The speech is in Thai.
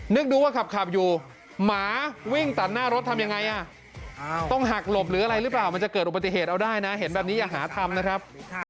นึกดูว่าขับอยู่หมาวิ่งตัดหน้ารถทำยังไงต้องหักหลบหรืออะไรหรือเปล่ามันจะเกิดอุบัติเหตุเอาได้นะเห็นแบบนี้อย่าหาทำนะครับ